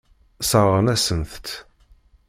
Sseṛɣen-asent-t.